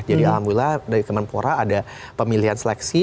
jadi alhamdulillah dari kemenpora ada pemilihan seleksi